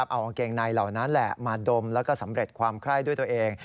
เอากางเกงในเหล่านั้นแหละมาดมแล้วก็สำเร็จความไคร้ด้วยตัวเอง